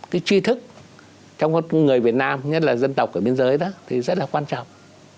cái chi thức trong người việt nam nhất là dân tộc ở biên giới đó thì rất là quan trọng